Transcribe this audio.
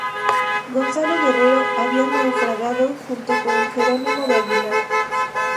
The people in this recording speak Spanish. Gonzalo Guerrero había naufragado junto con Jerónimo de Aguilar.